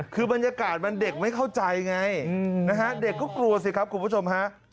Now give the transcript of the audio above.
คือบรรยากาศมันเด็กไม่เข้าใจไงนะฮะเด็กก็กลัวสิครับคุณผู้ชมฮะ